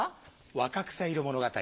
「若草色物語」。